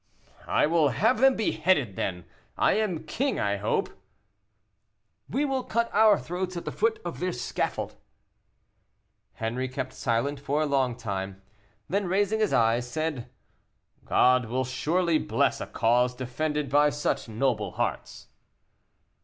"I will have them beheaded, then; I am king, I hope." "We will cut our throats at the foot of their scaffold." Henri kept silent for a long time; then, raising his eyes, said, "God will surely bless a cause defended by such noble hearts."